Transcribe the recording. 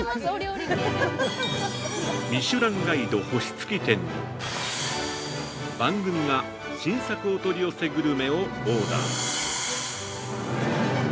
◆ミシュランガイド星付き店に番組が新作お取り寄せグルメをオーダー。